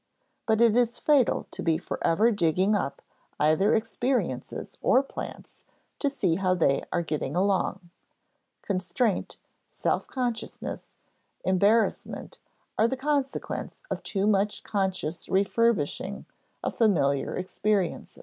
But it is fatal to be forever digging up either experiences or plants to see how they are getting along. Constraint, self consciousness, embarrassment, are the consequence of too much conscious refurbishing of familiar experiences.